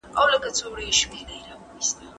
حق پالونکي تل په دنیا کي نېکبخته وي.